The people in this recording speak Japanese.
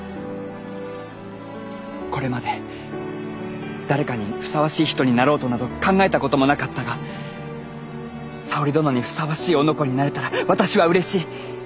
これまで誰かにふさわしい人になろうとなど考えたこともなかったが沙織殿にふさわしい男になれたら私はうれしい。